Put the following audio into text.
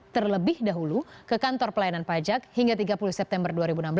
terlebih dahulu ke kantor pelayanan pajak hingga tiga puluh september dua ribu enam belas